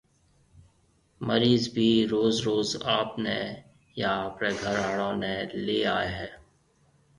مريض ڀِي روز روز آپنيَ يان آپريَ گهر آݪون نَي ليَ آئي هيَ۔